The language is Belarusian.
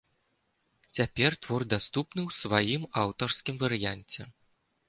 Цяпер твор даступны ў сваім аўтарскім варыянце.